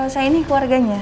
saya ini keluarganya